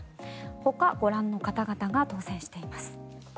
ほか、ご覧の方々が当選しています。